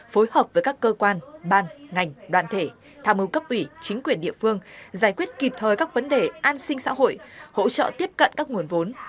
phối hợp với các cơ quan ban ngành đoàn thể tham hứng cấp ủy chính quyền địa phương giải quyết kịp thời các vấn đề an sinh xã hội hỗ trợ tiếp cận các nguồn vốn